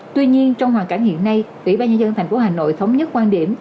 tuy nhiên trong hoàn cảnh hiện nay ủy ban nhân dân tp hcm thống nhất quan điểm